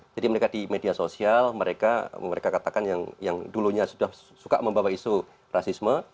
jadi mereka di media sosial mereka katakan yang dulunya sudah suka membawa isu rasisme